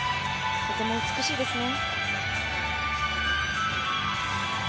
とても美しいですね。